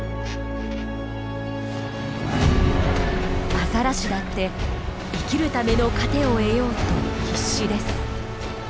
アザラシだって生きるための糧を得ようと必死です。